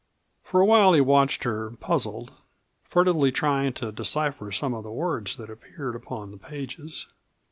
For a while he watched her, puzzled, furtively trying to decipher some of the words that appeared upon the pages.